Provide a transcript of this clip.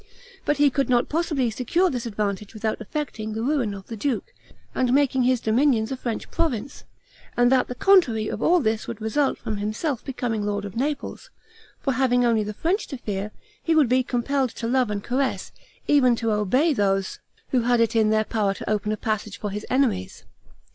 But he could not possibly secure this advantage without effecting the ruin of the duke, and making his dominions a French province; and that the contrary of all this would result from himself becoming lord of Naples; for having only the French to fear, he would be compelled to love and caress, nay even to obey those who had it in their power to open a passage for his enemies.